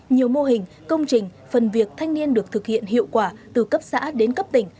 nhiều mô hình công trình phần việc thanh niên được thực hiện hiệu quả từ cấp xã đến cấp tỉnh